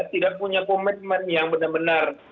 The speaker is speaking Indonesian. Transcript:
tidak punya komitmen yang benar benar